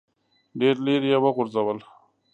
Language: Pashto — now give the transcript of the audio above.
ډېر لیرې یې وغورځول.